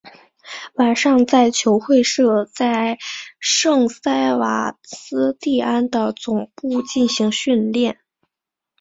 晚上在球会设在圣塞瓦斯蒂安的总部进行训练。